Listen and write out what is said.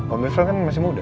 om irfan kan masih muda